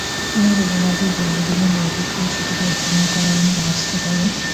তিনি রবীন্দ্রনাথের জন্মদিনে মেয়েদের দিয়ে সেটি অভিনয় করাবেন মনস্থ করেন।